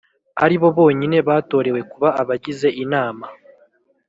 aribo bonyine batorewe kuba abagize Inama